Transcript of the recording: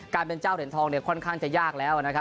เป็นเจ้าเหรียญทองเนี่ยค่อนข้างจะยากแล้วนะครับ